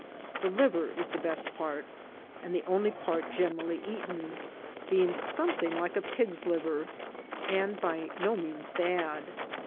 The liver is the best part, and the only part generaUy eaten, being scwoething like pig's liver, and by no means bad.